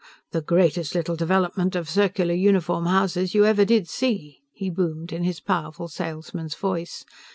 "The greatest little development of circular uniform houses you ever did see," he boomed in his powerful salesman's voice.